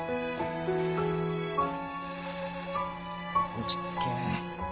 落ち着け。